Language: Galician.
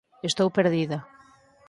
Estou perdida.